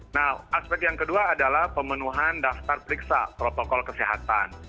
nah aspek yang kedua adalah pemenuhan daftar periksa protokol kesehatan